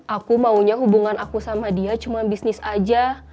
aku maunya hubungan aku sama dia cuma bisnis aja